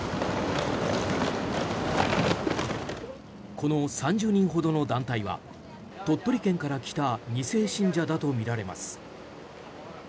この３０人ほどの団体は鳥取県から来た２世信者だとみられます。